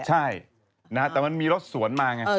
ใช่แต่มันมีรถสวนมาไง